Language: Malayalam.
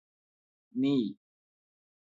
നീ